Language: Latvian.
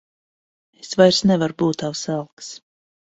Es vairs nevaru būt tavs elks.